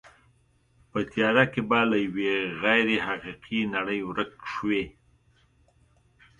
په تیاره کې به له یوې غیر حقیقي نړۍ ورک شوې.